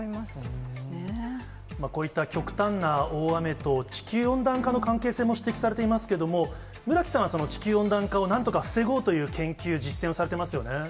こういった極端な大雨と、地球温暖化の関係性も指摘されていますけれども、村木さんは、その地球温暖化をなんとか防ごうという研究、実践をされてますよ